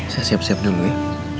saya siap siap dulu ya